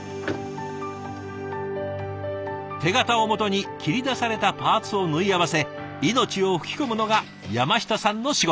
手形をもとに切り出されたパーツを縫い合わせ命を吹き込むのが山下さんの仕事。